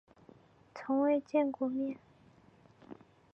从未见过面